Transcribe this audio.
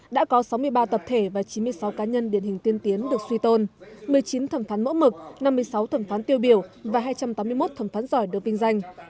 đã có sáu mươi ba tập thể và chín mươi sáu cá nhân điển hình tiên tiến được suy tôn một mươi chín thẩm phán mẫu mực năm mươi sáu thẩm phán tiêu biểu và hai trăm tám mươi một thẩm phán giỏi được vinh danh